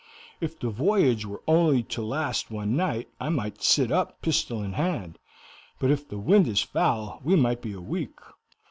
If the voyage were only to last one night I might sit up, pistol in hand, but if the wind is foul we might be a week.